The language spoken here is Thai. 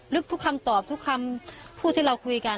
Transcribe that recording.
ทุกคำตอบทุกคำพูดที่เราคุยกัน